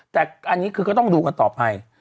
แต่อันนี้คือก็ต้องดูกันต่อไป